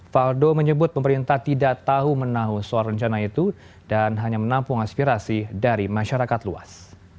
faldo menyebut pemerintah tidak tahu menahu soal rencana itu dan hanya menampung aspirasi dari masyarakat luas